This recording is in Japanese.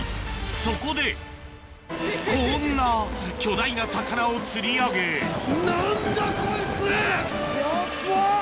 そこでこんな巨大な魚を釣り上げ・ヤバっ！